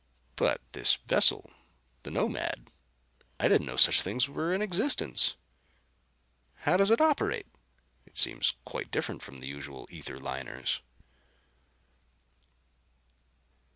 "But this vessel, the Nomad. I didn't know such a thing was in existence. How does it operate? It seems quite different from the usual ether liners."